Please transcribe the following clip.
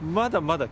まだ。